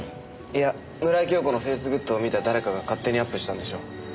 いや村井今日子のフェイスグッドを見た誰かが勝手にアップしたんでしょう。